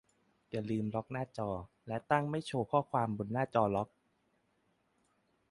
อย่าลืมล็อกหน้าจอ และตั้งไม่โชว์ข้อความบนหน้าจอล็อก